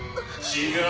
違う。